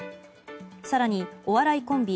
更に、お笑いコンビ